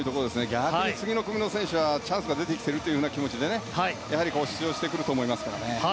逆に次の組の選手はチャンスが出てきているという気持ちでやはり出場してくると思います。